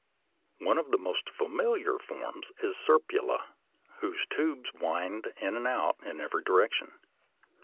] One of the most familiar forms is Serpula (Fig. 78), whose tubes wind in and out in every direction.